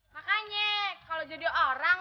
makanya kalau jadi orang